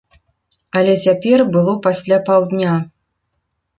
Але цяпер было пасля паўдня.